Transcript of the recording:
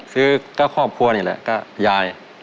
ซื้อก็ครอบครัวนี่แหละก็ยาย